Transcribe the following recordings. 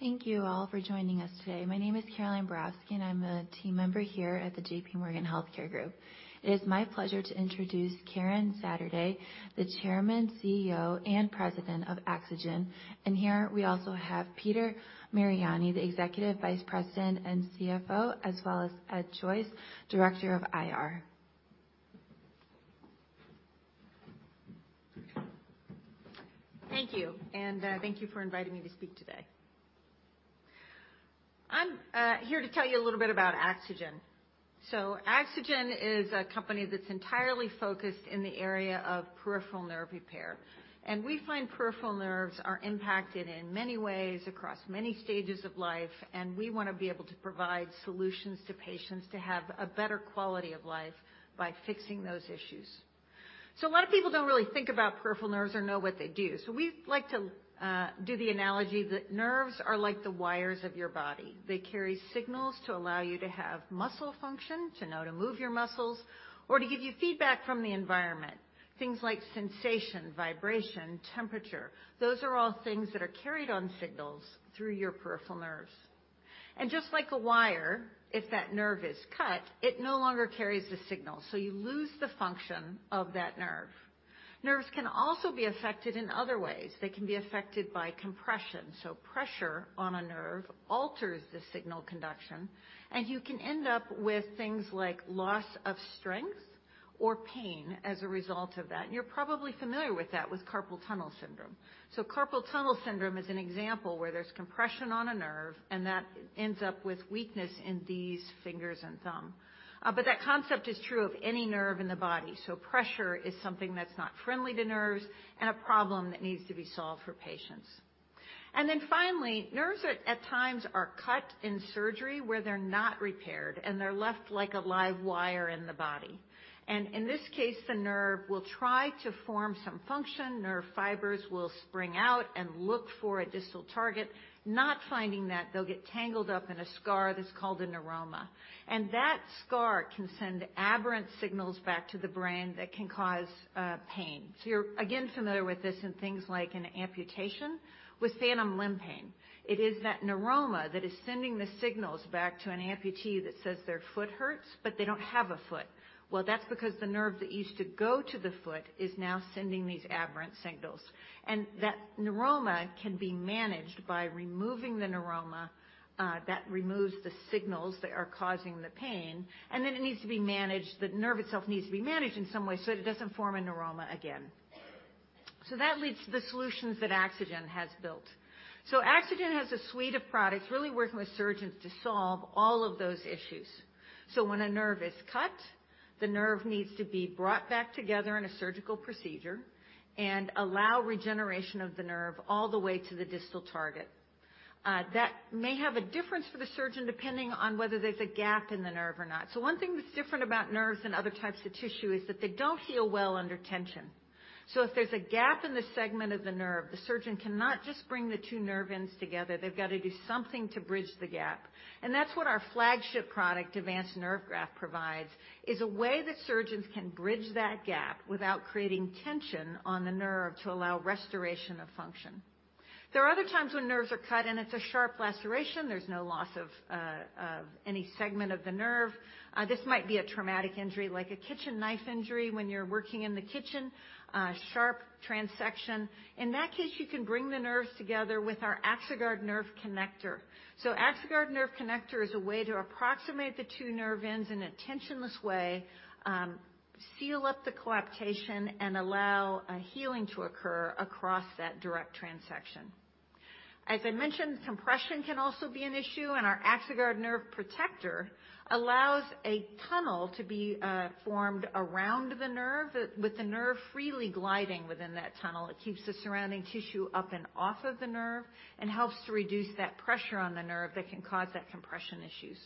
Thank you all for joining us today. My name is Caroline Borowski, and I'm a team member here at the J.P. Morgan Healthcare Group. It is my pleasure to introduce Karen Zaderej, the Chairman, CEO, and President of AxoGen. Here we also have Peter Mariani, the Executive Vice President and CFO, as well as Ed Joyce, Director of IR. Thank you, and thank you for inviting me to speak today. I'm here to tell you a little bit about AxoGen. AxoGen is a company that's entirely focused in the area of peripheral nerve repair. We find peripheral nerves are impacted in many ways across many stages of life, and we wanna be able to provide solutions to patients to have a better quality of life by fixing those issues. A lot of people don't really think about peripheral nerves or know what they do, so we like to do the analogy that nerves are like the wires of your body. They carry signals to allow you to have muscle function, to know to move your muscles, or to give you feedback from the environment. Things like sensation, vibration, temperature. Those are all things that are carried on signals through your peripheral nerves. Just like a wire, if that nerve is cut, it no longer carries the signal, so you lose the function of that nerve. Nerves can also be affected in other ways. They can be affected by compression, so pressure on a nerve alters the signal conduction, and you can end up with things like loss of strength or pain as a result of that. You're probably familiar with that with carpal tunnel syndrome. Carpal tunnel syndrome is an example where there's compression on a nerve and that ends up with weakness in these fingers and thumb. That concept is true of any nerve in the body. Pressure is something that's not friendly to nerves and a problem that needs to be solved for patients. Finally, nerves at times are cut in surgery where they're not repaired, and they're left like a live wire in the body. In this case, the nerve will try to form some function. Nerve fibers will spring out and look for a distal target. Not finding that, they'll get tangled up in a scar that's called a neuroma. That scar can send aberrant signals back to the brain that can cause pain. You're, again, familiar with this in things like an amputation with phantom limb pain. It is that neuroma that is sending the signals back to an amputee that says their foot hurts, but they don't have a foot. That's because the nerve that used to go to the foot is now sending these aberrant signals. That neuroma can be managed by removing the neuroma, that removes the signals that are causing the pain, and then the nerve itself needs to be managed in some way so it doesn't form a neuroma again. That leads to the solutions that AxoGen has built. AxoGen has a suite of products really working with surgeons to solve all of those issues. When a nerve is cut, the nerve needs to be brought back together in a surgical procedure and allow regeneration of the nerve all the way to the distal target. That may have a difference for the surgeon depending on whether there's a gap in the nerve or not. One thing that's different about nerves than other types of tissue is that they don't heal well under tension. If there's a gap in the segment of the nerve, the surgeon cannot just bring the two nerve ends together. They've got to do something to bridge the gap. That's what our flagship product, Avance Nerve Graft, provides, is a way that surgeons can bridge that gap without creating tension on the nerve to allow restoration of function. There are other times when nerves are cut, and it's a sharp laceration. There's no loss of any segment of the nerve. This might be a traumatic injury, like a kitchen knife injury when you're working in the kitchen, sharp transection. In that case, you can bring the nerves together with our AxoGuard Nerve Connector. AxoGuard Nerve Connector is a way to approximate the two nerve ends in a tension-less way, seal up the coaptation, and allow a healing to occur across that direct transection. As I mentioned, compression can also be an issue, our AxoGuard Nerve Protector allows a tunnel to be formed around the nerve with the nerve freely gliding within that tunnel. It keeps the surrounding tissue up and off of the nerve and helps to reduce that pressure on the nerve that can cause that compression issues.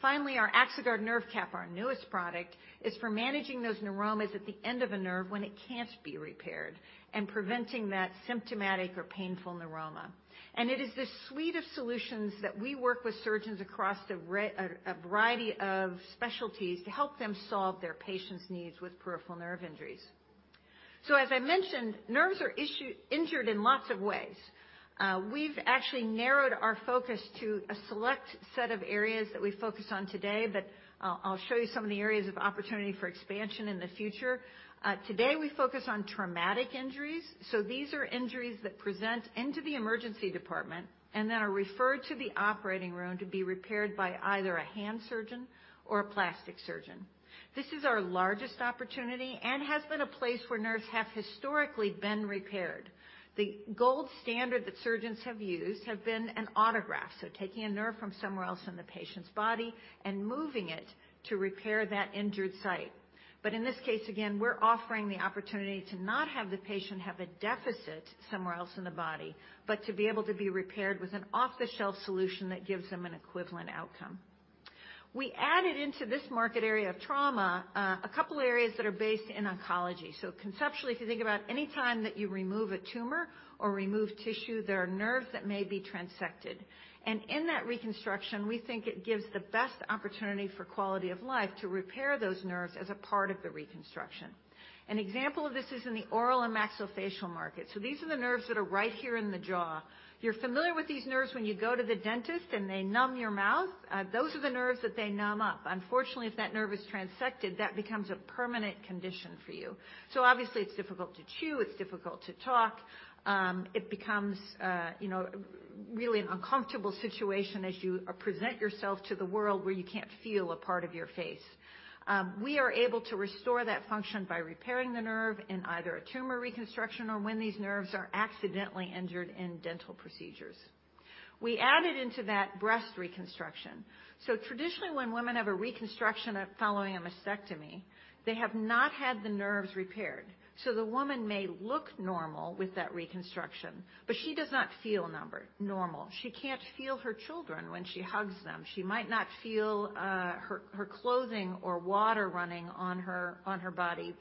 Finally, our AxoGuard Nerve Cap, our newest product, is for managing those neuromas at the end of a nerve when it can't be repaired and preventing that symptomatic or painful neuroma. It is this suite of solutions that we work with surgeons across a variety of specialties to help them solve their patients' needs with peripheral nerve injuries. As I mentioned, nerves are injured in lots of ways. We've actually narrowed our focus to a select set of areas that we focus on today, but I'll show you some of the areas of opportunity for expansion in the future. Today we focus on traumatic injuries. These are injuries that present into the emergency department and then are referred to the operating room to be repaired by either a hand surgeon or a plastic surgeon. This is our largest opportunity and has been a place where nerves have historically been repaired. The gold standard that surgeons have been an autograft, taking a nerve from somewhere else in the patient's body and moving it to repair that injured site. In this case, again, we're offering the opportunity to not have the patient have a deficit somewhere else in the body, but to be able to be repaired with an off-the-shelf solution that gives them an equivalent outcome. We added into this market area of trauma, a couple areas that are based in oncology. Conceptually, if you think about any time that you remove a tumor or remove tissue, there are nerves that may be transected. In that reconstruction, we think it gives the best opportunity for quality of life to repair those nerves as a part of the reconstruction. An example of this is in the oral and maxillofacial market. These are the nerves that are right here in the jaw. If you're familiar with these nerves, when you go to the dentist and they numb your mouth, those are the nerves that they numb up. Unfortunately, if that nerve is transected, that becomes a permanent condition for you. Obviously, it's difficult to chew, it's difficult to talk. It becomes a really uncomfortable situation as you present yourself to the world where you can't feel a part of your face. We are able to restore that function by repairing the nerve in either a tumor reconstruction or when these nerves are accidentally injured in dental procedures. We added into that breast reconstruction. Traditionally, when women have a reconstruction at following a mastectomy, they have not had the nerves repaired. The woman may look normal with that reconstruction, but she does not feel normal. She can't feel her children when she hugs them. She might not feel her clothing or water running on her body,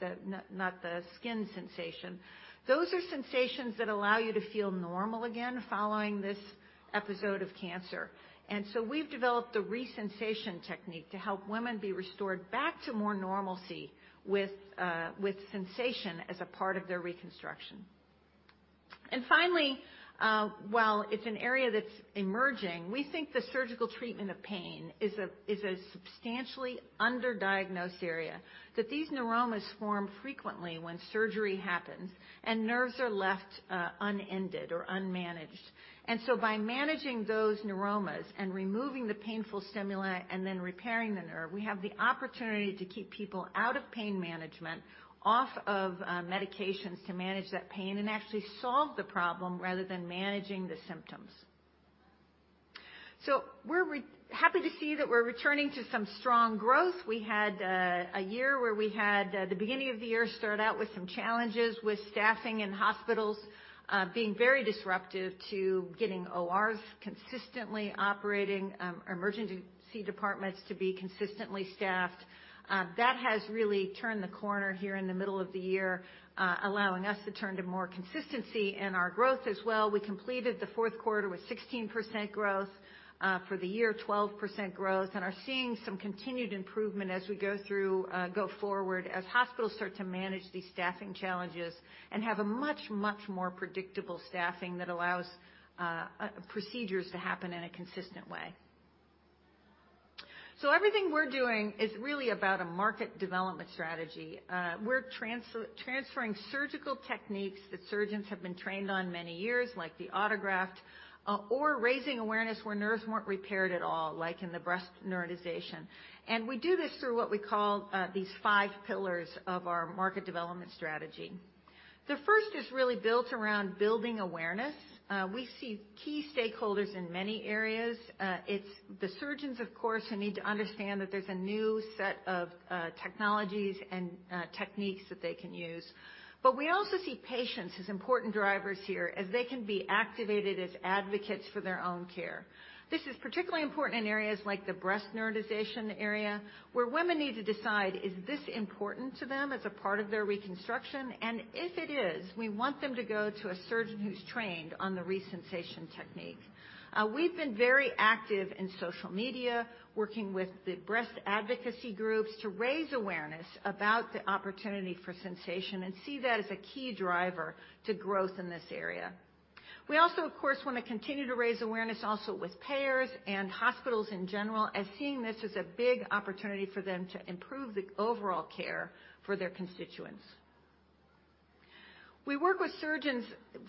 not the skin sensation. Those are sensations that allow you to feel normal again following this episode of cancer. We've developed the Resensation technique to help women be restored back to more normalcy with sensation as a part of their reconstruction. Finally, while it's an area that's emerging, we think the surgical treatment of pain is a substantially under-diagnosed area, that these neuromas form frequently when surgery happens and nerves are left unended or unmanaged. By managing those neuromas and removing the painful stimuli and then repairing the nerve, we have the opportunity to keep people out of pain management, off of medications to manage that pain, and actually solve the problem rather than managing the symptoms. We're happy to see that we're returning to some strong growth. We had a year where we had the beginning of the year start out with some challenges with staffing in hospitals, being very disruptive to getting ORs consistently operating, emergency departments to be consistently staffed. That has really turned the corner here in the middle of the year, allowing us to turn to more consistency in our growth as well. We completed the fourth quarter with 16% growth for the year, 12% growth, and are seeing some continued improvement as we go through go forward as hospitals start to manage these staffing challenges and have a much more predictable staffing that allows procedures to happen in a consistent way. Everything we're doing is really about a market development strategy. We're transferring surgical techniques that surgeons have been trained on many years, like the autograft, or raising awareness where nerves weren't repaired at all, like in the breast neurotization. We do this through what we call these five pillars of our market development strategy. The first is really built around building awareness. We see key stakeholders in many areas. It's the surgeons, of course, who need to understand that there's a new set of technologies and techniques that they can use. We also see patients as important drivers here as they can be activated as advocates for their own care. This is particularly important in areas like the breast neurotization area, where women need to decide, is this important to them as a part of their reconstruction? If it is, we want them to go to a surgeon who's trained on the Resensation technique. We've been very active in social media, working with the breast advocacy groups to raise awareness about the opportunity for sensation and see that as a key driver to growth in this area. We also, of course, wanna continue to raise awareness also with payers and hospitals in general and seeing this as a big opportunity for them to improve the overall care for their constituents. We work with surgeons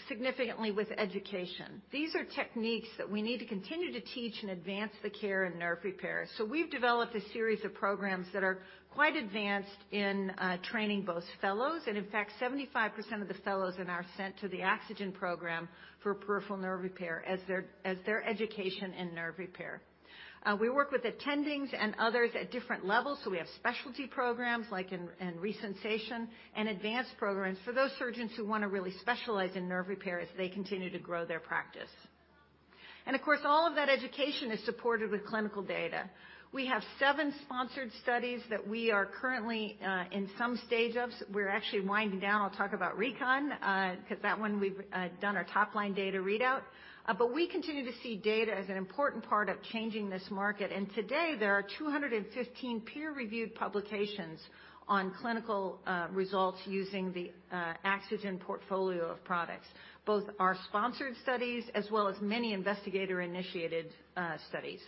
significantly with education. These are techniques that we need to continue to teach and advance the care in nerve repair. We've developed a series of programs that are quite advanced in training both fellows and in fact, 75% of the fellows in our sent to the AxoGen program for peripheral nerve repair as their, as their education in nerve repair. We work with attendings and others at different levels. We have specialty programs like in Resensation and advanced programs for those surgeons who wanna really specialize in nerve repair as they continue to grow their practice. All of that education is supported with clinical data. We have 7 sponsored studies that we are currently in some stage of. We're actually winding down. I'll talk about RECON 'cause that one we've done our top-line data readout. We continue to see data as an important part of changing this market. Today, there are 215 peer-reviewed publications on clinical results using the AxoGen portfolio of products, both our sponsored studies as well as many investigator-initiated studies.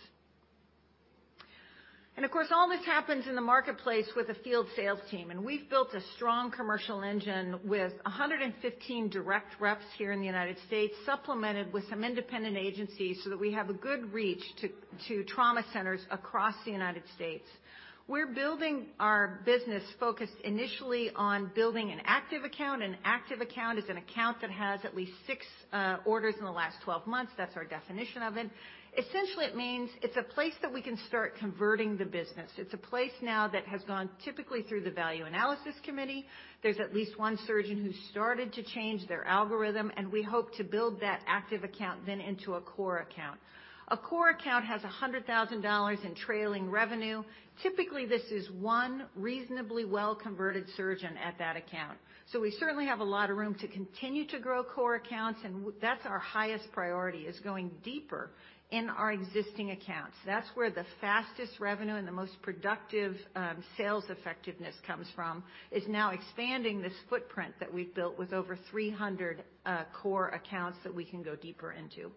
All this happens in the marketplace with a field sales team, and we've built a strong commercial engine with 115 direct reps here in the United States, supplemented with some independent agencies so that we have a good reach to trauma centers across the United States. We're building our business focused initially on building an active account. An active account is an account that has at least 6 orders in the last 12 months. That's our definition of it. Essentially, it means it's a place that we can start converting the business. It's a place now that has gone typically through the value analysis committee. There's at least one surgeon who started to change their algorithm. We hope to build that active account then into a core account. A core account has $100,000 in trailing revenue. Typically, this is one reasonably well-converted surgeon at that account. We certainly have a lot of room to continue to grow core accounts, and that's our highest priority, is going deeper in our existing accounts. That's where the fastest revenue and the most productive sales effectiveness comes from, is now expanding this footprint that we've built with over 300 core accounts that we can go deeper into.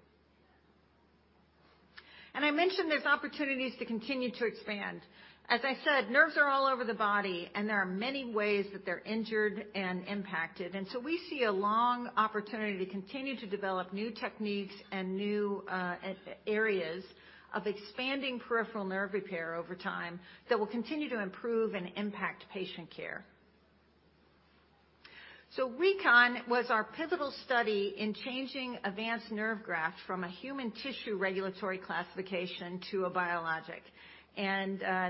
I mentioned there's opportunities to continue to expand. As I said, nerves are all over the body, and there are many ways that they're injured and impacted. We see a long opportunity to continue to develop new techniques and new areas of expanding peripheral nerve repair over time that will continue to improve and impact patient care. RECON was our pivotal study in changing Avance Nerve Graft from a human tissue regulatory classification to a biologic.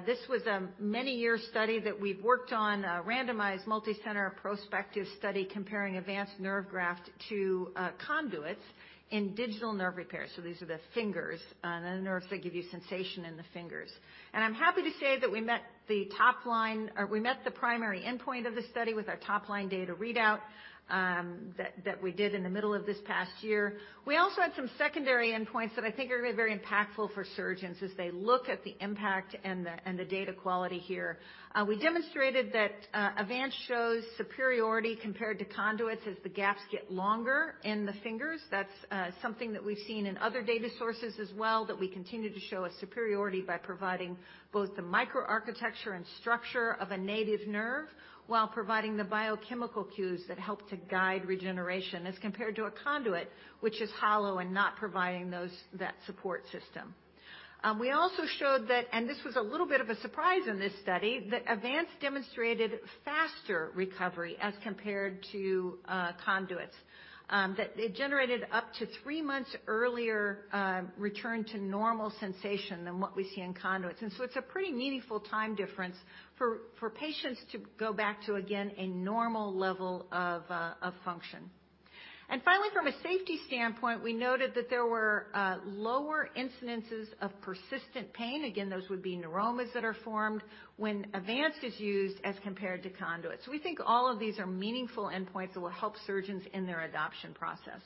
This was a many-year study that we've worked on, a randomized multicenter prospective study comparing Avance Nerve Graft to conduits in digital nerve repair. These are the fingers, the nerves that give you sensation in the fingers. I'm happy to say that we met the primary endpoint of this study with our top-line data readout that we did in the middle of this past year. We also had some secondary endpoints that I think are gonna be very impactful for surgeons as they look at the impact and the data quality here. We demonstrated that Avance shows superiority compared to conduits as the gaps get longer in the fingers. That's something that we've seen in other data sources as well that we continue to show a superiority by providing both the microarchitecture and structure of a native nerve while providing the biochemical cues that help to guide regeneration, as compared to a conduit which is hollow and not providing that support system. We also showed that, and this was a little bit of a surprise in this study, that Avance demonstrated faster recovery as compared to conduits, that it generated up to 3 months earlier, return to normal sensation than what we see in conduits. It's a pretty meaningful time difference for patients to go back to, again, a normal level of function. Finally, from a safety standpoint, we noted that there were lower incidences of persistent pain. Those would be neuromas that are formed when Avance is used as compared to conduits. We think all of these are meaningful endpoints that will help surgeons in their adoption process.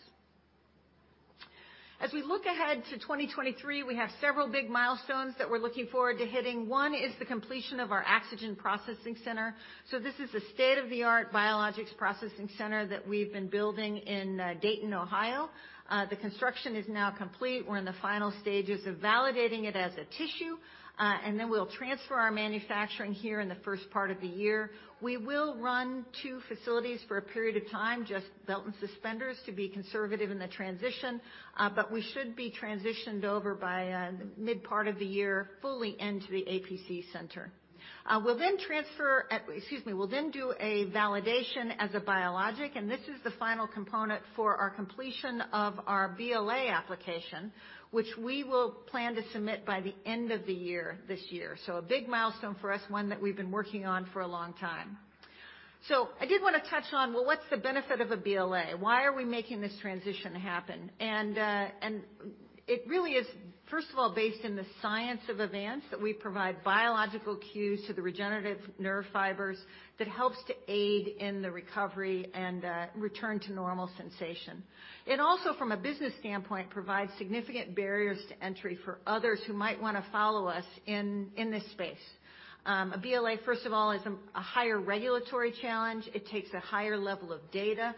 As we look ahead to 2023, we have several big milestones that we're looking forward to hitting. One is the completion of our AxoGen Processing Center. This is a state-of-the-art biologics processing center that we've been building in Dayton, Ohio. The construction is now complete. We're in the final stages of validating it as a tissue, then we'll transfer our manufacturing here in the first part of the year. We will run 2 facilities for a period of time, just belt and suspenders to be conservative in the transition, we should be transitioned over by mid part of the year fully into the APC center. Excuse me. We'll then do a validation as a biologic, and this is the final component for our completion of our BLA application, which we will plan to submit by the end of the year, this year. A big milestone for us, one that we've been working on for a long time. I did wanna touch on, well, what's the benefit of a BLA? Why are we making this transition happen? It really is, first of all, based in the science of Avance that we provide biological cues to the regenerative nerve fibers that helps to aid in the recovery and return to normal sensation. It also from a business standpoint provides significant barriers to entry for others who might wanna follow us in this space. A BLA, first of all, is a higher regulatory challenge. It takes a higher level of data.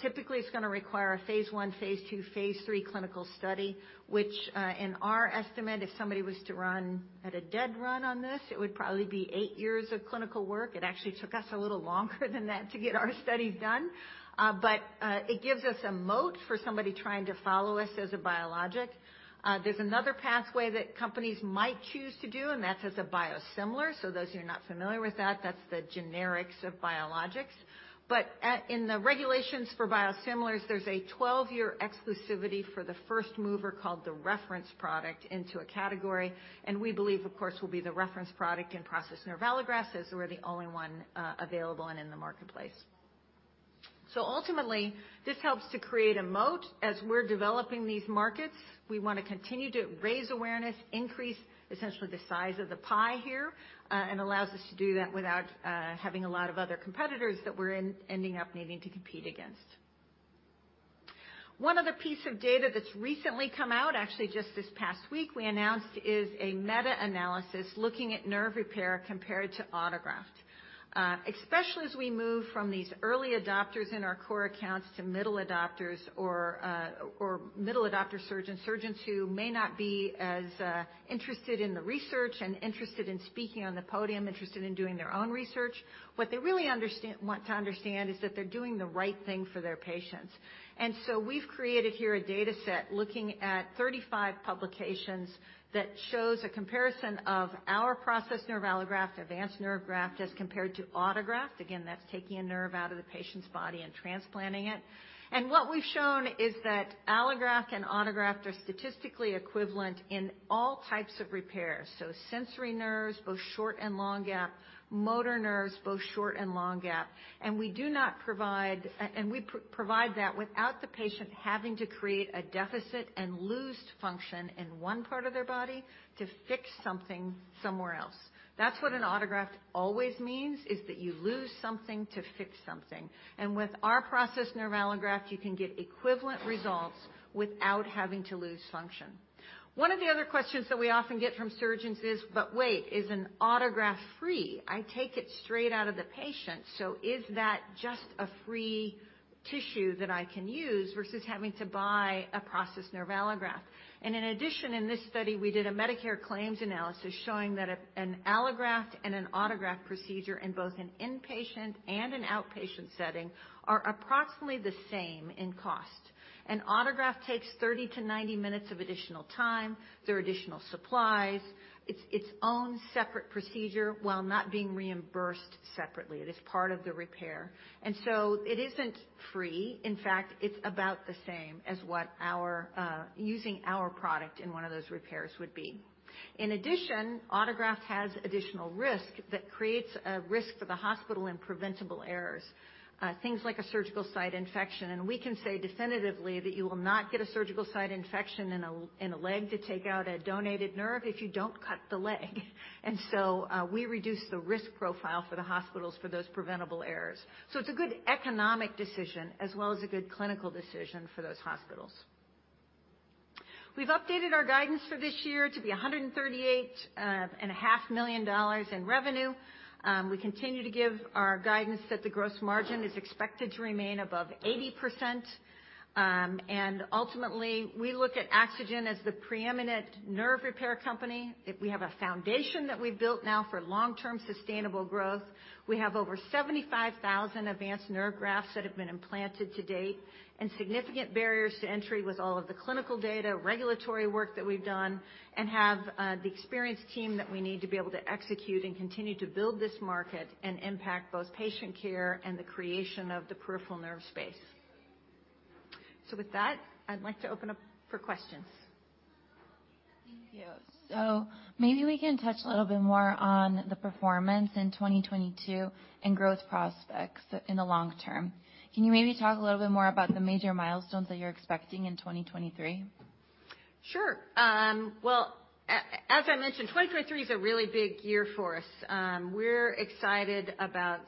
Typically it's gonna require a Phase I, Phase II, Phase III clinical study, which, in our estimate, if somebody was to run at a dead run on this, it would probably be 8 years of clinical work. It actually took us a little longer than that to get our study done. It gives us a moat for somebody trying to follow us as a biologic. There's another pathway that companies might choose to do, and that's as a biosimilar. Those who are not familiar with that's the generics of biologics. In the regulations for biosimilars, there's a 12-year exclusivity for the first mover called the reference product into a category. We believe, of course, we'll be the reference product in processed nerve allograft as we're the only one available and in the marketplace. Ultimately, this helps to create a moat. We're developing these markets, we wanna continue to raise awareness, increase essentially the size of the pie here, and allows us to do that without having a lot of other competitors that we're ending up needing to compete against. One other piece of data that's recently come out, actually just this past week, we announced, is a meta-analysis looking at nerve repair compared to autograft. Especially as we move from these early adopters in our core accounts to middle adopters or middle adopter surgeons who may not be as interested in the research and interested in speaking on the podium, interested in doing their own research. What they really want to understand is that they're doing the right thing for their patients. We've created here a dataset looking at 35 publications that shows a comparison of our processed nerve allograft, Avance Nerve Graft, as compared to autograft. Again, that's taking a nerve out of the patient's body and transplanting it. What we've shown is that allograft and autograft are statistically equivalent in all types of repairs, so sensory nerves, both short and long gap, motor nerves, both short and long gap. We provide that without the patient having to create a deficit and lose function in one part of their body to fix something somewhere else. That's what an autograft always means, is that you lose something to fix something. With our processed nerve allograft, you can get equivalent results without having to lose function. One of the other questions that we often get from surgeons is, "But wait, is an autograft free? I take it straight out of the patient, so is that just a free tissue that I can use versus having to buy a processed nerve allograft?" In addition, in this study, we did a Medicare claims analysis showing that an allograft and an autograft procedure in both an inpatient and an outpatient setting are approximately the same in cost. An autograft takes 30 to 90 minutes of additional time. There are additional supplies. It's its own separate procedure while not being reimbursed separately. It is part of the repair. So it isn't free. In fact, it's about the same as what our using our product in one of those repairs would be. In addition, autograft has additional risk that creates a risk for the hospital in preventable errors, things like a surgical site infection. We can say definitively that you will not get a surgical site infection in a leg to take out a donated nerve if you don't cut the leg. We reduce the risk profile for the hospitals for those preventable errors. It's a good economic decision as well as a good clinical decision for those hospitals. We've updated our guidance for this year to be a hundred and thirty-eight and a half million dollars in revenue. We continue to give our guidance that the gross margin is expected to remain above 80%. Ultimately, we look at AxoGen as the preeminent nerve repair company, that we have a foundation that we've built now for long-term sustainable growth. We have over 75,000 advanced nerve grafts that have been implanted to date. Significant barriers to entry with all of the clinical data, regulatory work that we've done, and have the experienced team that we need to be able to execute and continue to build this market and impact both patient care and the creation of the peripheral nerve space. With that, I'd like to open up for questions. Thank you. Maybe we can touch a little bit more on the performance in 2022 and growth prospects in the long term. Can you maybe talk a little bit more about the major milestones that you're expecting in 2023? Sure. Well, as I mentioned, 2023 is a really big year for us. We're excited about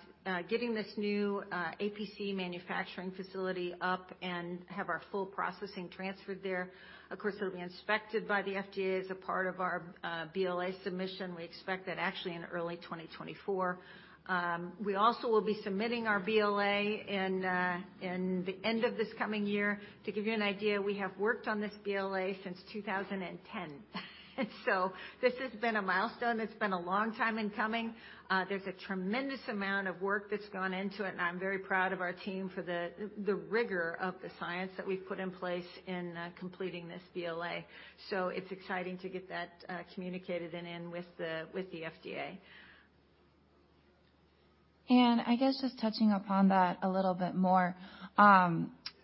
getting this new APC manufacturing facility up and have our full processing transferred there. Of course, it'll be inspected by the FDA as a part of our BLA submission. We expect that actually in early 2024. We also will be submitting our BLA in the end of this coming year. To give you an idea, we have worked on this BLA since 2010. This has been a milestone that's been a long time in coming. There's a tremendous amount of work that's gone into it, and I'm very proud of our team for the rigor of the science that we've put in place in completing this BLA. It's exciting to get that, communicated and in with the FDA. I guess just touching upon that a little bit more,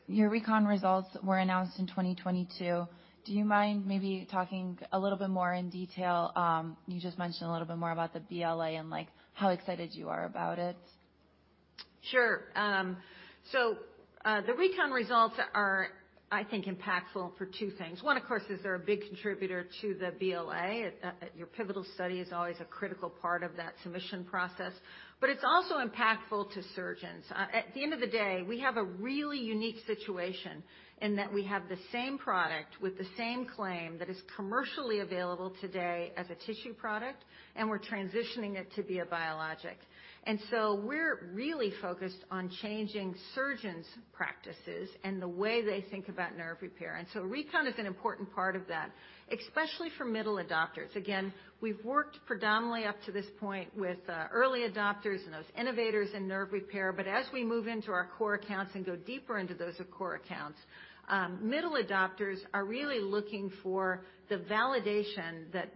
your RECON results were announced in 2022. Do you mind maybe talking a little bit more in detail, you just mentioned a little bit more about the BLA and, like, how excited you are about it? Sure. The RECON results are, I think, impactful for 2 things. 1, of course, is they're a big contributor to the BLA. Your pivotal study is always a critical part of that submission process. It's also impactful to surgeons. At the end of the day, we have a really unique situation in that we have the same product with the same claim that is commercially available today as a tissue product, and we're transitioning it to be a biologic. We're really focused on changing surgeons' practices and the way they think about nerve repair. RECON is an important part of that, especially for middle adopters. We've worked predominantly up to this point with early adopters and those innovators in nerve repair. As we move into our core accounts and go deeper into those core accounts, middle adopters are really looking for the validation that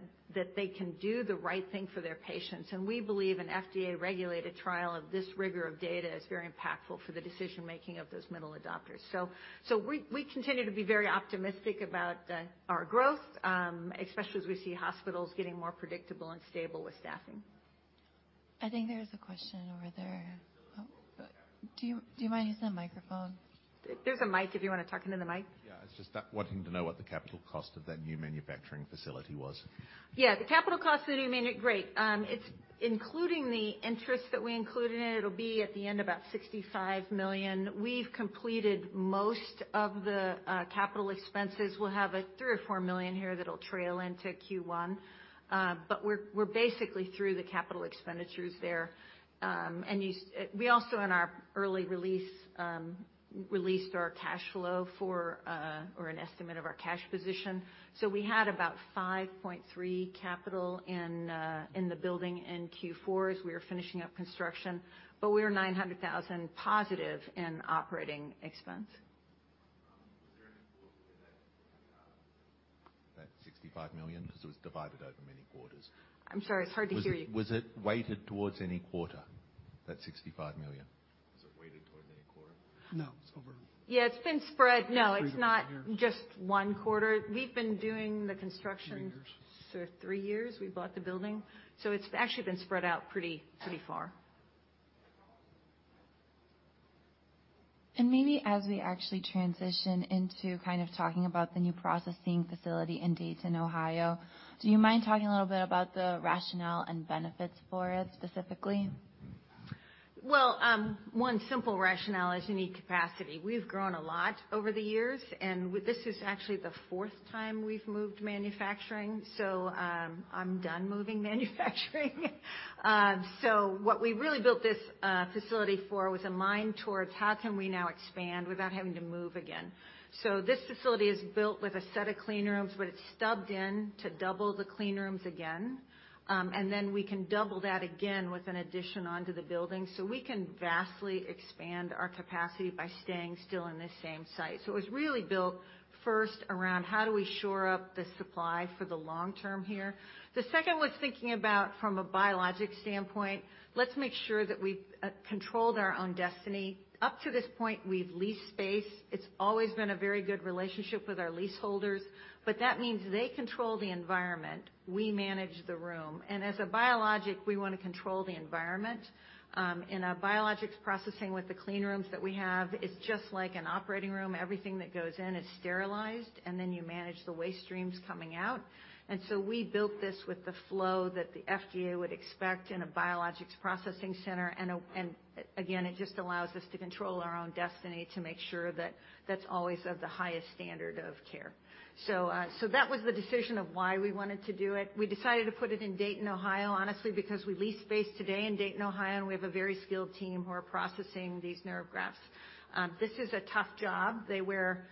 they can do the right thing for their patients. We believe an FDA-regulated trial of this rigor of data is very impactful for the decision-making of those middle adopters. We continue to be very optimistic about our growth, especially as we see hospitals getting more predictable and stable with staffing. I think there's a question over there. Oh, do you mind hitting that microphone? There's a mic if you wanna talk into the mic. I was just wanting to know what the capital cost of that new manufacturing facility was. Yeah. The capital cost of the new. Great. It's including the interest that we included in, it'll be at the end about $65 million. We've completed most of the capital expenses. We'll have, like, $3 million-$4 million here that'll trail into Q1. We're basically through the capital expenditures there. We also, in our early release, released our cash flow for, or an estimate of our cash position. We had about $5.3 million capital in the building in Q4 as we were finishing up construction, but we were $900,000 positive in operating expense. Was there any that $65 million, because it was divided over many quarters? I'm sorry. It's hard to hear you. Was it weighted towards any quarter, that $65 million? Was it weighted toward any quarter? No. Yeah, it's been. Three years. No, it's not just one quarter. We've been doing the construction- Three years.... sort of 3 years. We bought the building. It's actually been spread out pretty far. Maybe as we actually transition into kind of talking about the new processing facility in Dayton, Ohio, do you mind talking a little bit about the rationale and benefits for it specifically? One simple rationale is you need capacity. We've grown a lot over the years, this is actually the fourth time we've moved manufacturing, I'm done moving manufacturing. What we really built this facility for was a mind towards how can we now expand without having to move again. This facility is built with a set of clean rooms, but it's stubbed in to double the clean rooms again. We can double that again with an addition onto the building. We can vastly expand our capacity by staying still in this same site. It was really built first around how do we shore up the supply for the long term here. The second was thinking about from a biologic standpoint, let's make sure that we've controlled our own destiny. Up to this point, we've leased space. It's always been a very good relationship with our leaseholders, but that means they control the environment, we manage the room. As a biologic, we wanna control the environment. In a biologics processing with the clean rooms that we have, it's just like an operating room. Everything that goes in is sterilized, and then you manage the waste streams coming out. We built this with the flow that the FDA would expect in a biologics processing center again, it just allows us to control our own destiny to make sure that that's always of the highest standard of care. So that was the decision of why we wanted to do it. We decided to put it in Dayton, Ohio, honestly, because we lease space today in Dayton, Ohio, and we have a very skilled team who are processing these nerve grafts. This is a tough job. They wear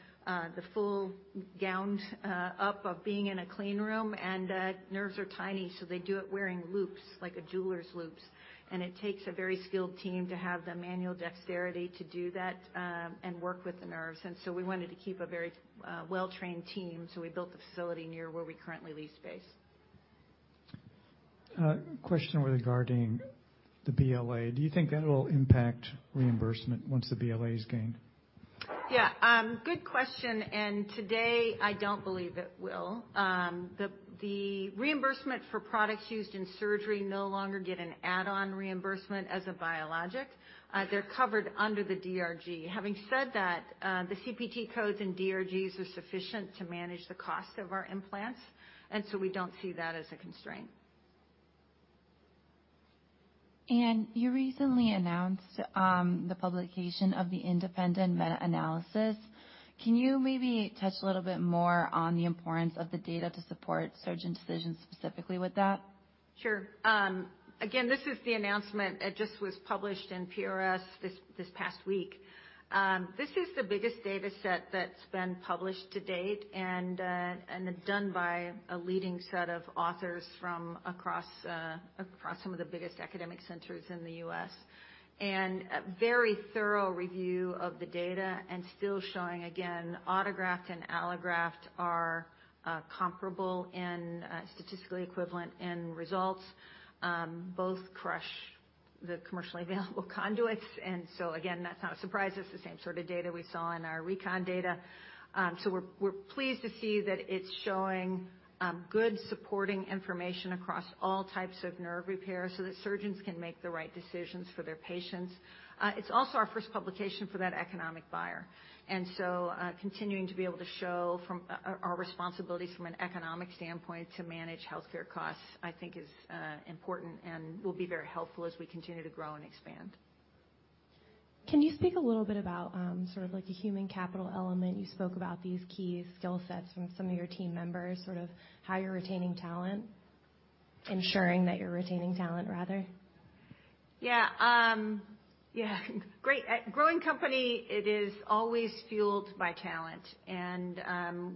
the full gowns up of being in a clean room, and nerves are tiny, so they do it wearing loops, like a jeweler's loops. It takes a very skilled team to have the manual dexterity to do that, and work with the nerves. We wanted to keep a very well-trained team, so we built the facility near where we currently lease space. Question regarding the BLA. Do you think that'll impact reimbursement once the BLA is gained? Yeah, good question. Today, I don't believe it will. The reimbursement for products used in surgery no longer get an add-on reimbursement as a biologic. They're covered under the DRG. Having said that, the CPT codes and DRGs are sufficient to manage the cost of our implants. We don't see that as a constraint. You recently announced, the publication of the independent meta-analysis. Can you maybe touch a little bit more on the importance of the data to support surgeon decisions specifically with that? Sure. Again, this is the announcement that just was published in PRS this past week. This is the biggest data set that's been published to date and done by a leading set of authors from across some of the biggest academic centers in the U.S. A very thorough review of the data and still showing, again, autograft and allograft are comparable and statistically equivalent in results. Both crush the commercially available conduits, again, that's not a surprise. It's the same sort of data we saw in our RECON data. We're, we're pleased to see that it's showing good supporting information across all types of nerve repairs so that surgeons can make the right decisions for their patients. It's also our first publication for that economic buyer. Continuing to be able to show from our responsibilities from an economic standpoint to manage healthcare costs, I think is important and will be very helpful as we continue to grow and expand. Can you speak a little bit about, sort of like a human capital element? You spoke about these key skill sets from some of your team members, sort of how you're retaining talent, ensuring that you're retaining talent, rather? Yeah. Yeah. Great. A growing company, it is always fueled by talent and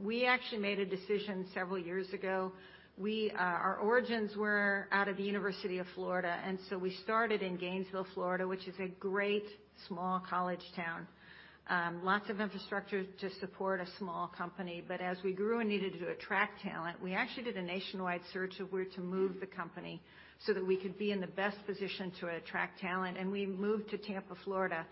we actually made a decision several years ago. We, our origins were out of the University of Florida, and so we started in Gainesville, Florida, which is a great small college town. Lots of infrastructure to support a small company. As we grew and needed to attract talent, we actually did a nationwide search of where to move the company so that we could be in the best position to attract talent, and we moved to Tampa, Florida.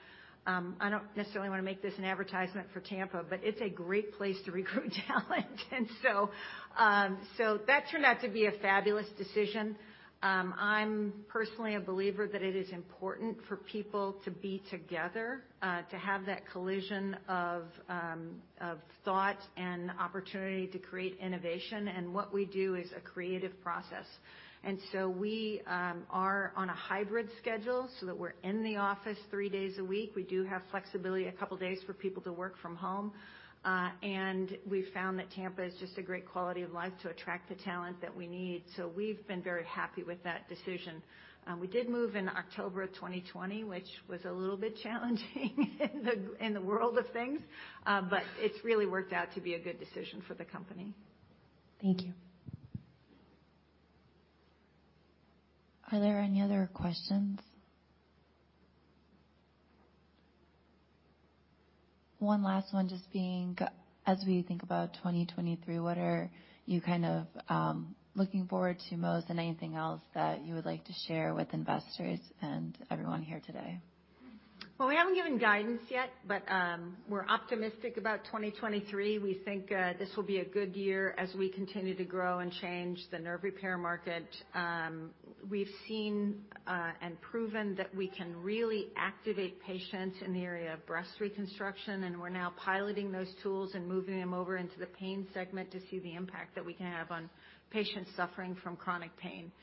I don't necessarily wanna make this an advertisement for Tampa, but it's a great place to recruit talent. So that turned out to be a fabulous decision. I'm personally a believer that it is important for people to be together, to have that collision of thought and opportunity to create innovation. What we do is a creative process. So we are on a hybrid schedule so that we're in the office three days a week. We do have flexibility, a couple days for people to work from home. We found that Tampa is just a great quality of life to attract the talent that we need. We've been very happy with that decision. We did move in October of 2020, which was a little bit challenging in the world of things. But it's really worked out to be a good decision for the company. Thank you. Are there any other questions? One last one, just being as we think about 2023, what are you kind of, looking forward to most and anything else that you would like to share with investors and everyone here today? Well, we haven't given guidance yet, but we're optimistic about 2023. We think this will be a good year as we continue to grow and change the nerve repair market. We've seen and proven that we can really activate patients in the area of breast reconstruction, and we're now piloting those tools and moving them over into the pain segment to see the impact that we can have on patients suffering from chronic pain.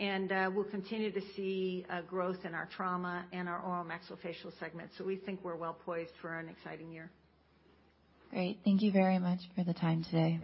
We'll continue to see growth in our trauma and our oral maxillofacial segment. We think we're well-poised for an exciting year. Great. Thank you very much for the time today.